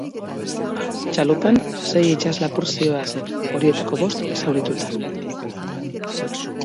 Txalupan sei itsas-lapur zihoazen, horietariko bost zaurituta.